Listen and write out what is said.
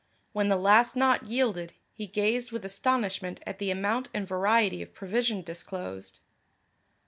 When the last knot yielded, he gazed with astonishment at the amount and variety of provision disclosed.